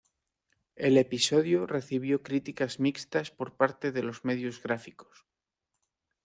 El episodio recibió críticas mixtas por parte de los medios gráficos.